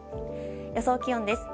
予想気温です。